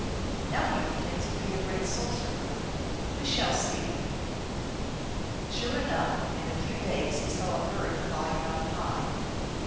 " Now he pretends to be a very great sorcerer. We shall see !" Sure enough, in a few days he saw a bird flying on high.